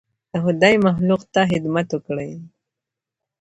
د خدای مخلوق ته خدمت وکړئ.